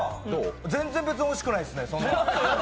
全然別においしくないですね。